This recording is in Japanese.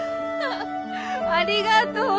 ありがとう！